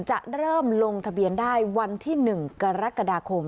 จะเริ่มลงทะเบียนได้วันที่๑กรกฎาคม